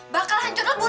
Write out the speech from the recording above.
bakal hancur lebur